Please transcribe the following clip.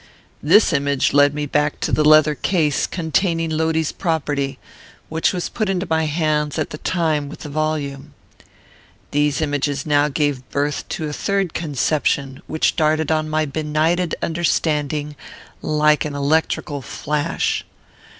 This image led me back to the leather case containing Lodi's property, which was put into my hands at the same time with the volume. "These images now gave birth to a third conception, which darted on my benighted understanding like an electrical flash.